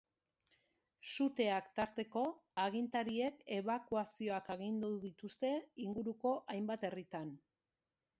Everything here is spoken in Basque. Suteak tarteko, agintariek ebakuazioak agindu dute dituzte inguruko hainbat herritan.